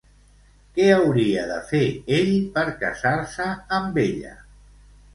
Què hauria de fer ell per casar-se amb ella?